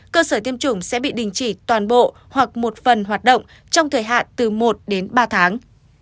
cơ sở tiêm chủng sẽ bị đình chỉ toàn bộ hoặc một phần hoạt động trong thời hạn từ một đến ba tháng